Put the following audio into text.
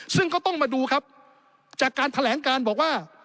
ซึ่งก็ต้องมาดูครับจากการแถลงการบอกว่า